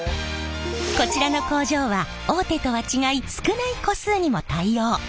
こちらの工場は大手とは違い少ない個数にも対応！